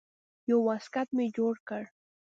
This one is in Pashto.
يو واسکټ مې جوړ کړ.